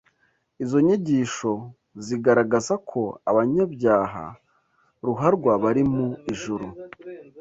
Izo nyigisho zigaragaza ko abanyabyaha ruharwa bari mu ijuru